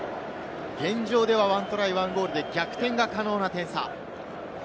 現状では１トライ１ゴールで逆転が可能な点差。